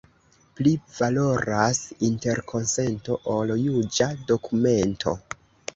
Pli valoras interkonsento, ol juĝa dokumento.